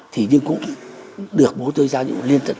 thì nhưng cũng được bố tôi giao dụng liên tật